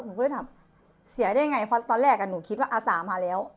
หนูก็เลยถามเสียได้ไงเพราะตอนแรกหนูคิดว่าอาสามาแล้ว